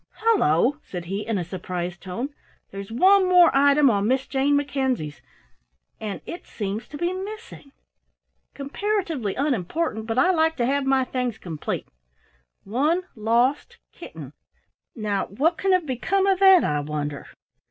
"Hullo," said he in a surprised tone, "there's one more item on Miss Jane Mackenzie's and it seems to be missing! Comparatively unimportant, but I like to have my things complete. 'One lost Kitten!' Now what can have become of that, I wonder?"